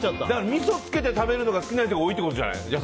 みそをつけて食べるのが好きな人が多いってことじゃない？